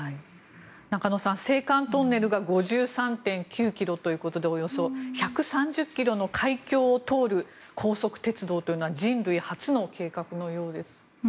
中野さん、青函トンネルが５３．９ｋｍということで１３０ｋｍの海峡を通る高速鉄道というのは人類初の計画のようです。